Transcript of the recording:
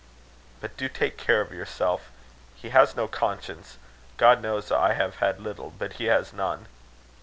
"But do take care of yourself. He has no conscience. God knows, I have had little, but he has none."